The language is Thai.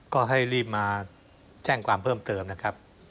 ก็ให้รีบมาแจ้งความเพิ่มเติมนะครับ